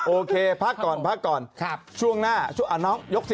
โอเคพักก่อนพักก่อนครับช่วงหน้าช่วงหน้ายกสิ